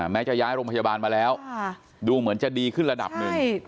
แม้จะย้ายโรงพยาบาลมาแล้วดูเหมือนจะดีขึ้นระดับหนึ่ง